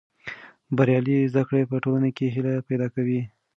بریالۍ زده کړه په ټولنه کې هیله پیدا کوي.